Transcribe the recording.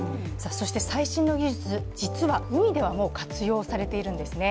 最新の技術、実は海ではもう、活用されているんですね。